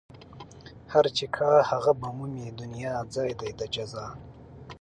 هر چې کا هغه به مومي دنيا ځای دئ د جزا